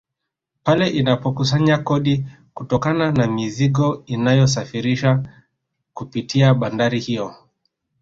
Pale inapokusanya kodi kutokana na mizigo inayosafirishwa kupitia bandari hiyo